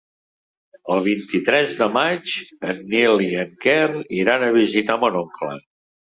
El vint-i-tres de maig en Nil i en Quer iran a visitar mon oncle.